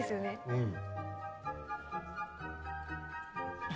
うん！